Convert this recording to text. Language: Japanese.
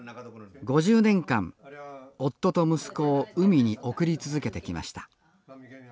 ５０年間夫と息子を海に送り続けてきました。